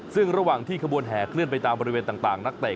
ซึ่งระหว่างที่ขบวนแห่เคลื่อนไปตามบริเวณต่างนักเตะ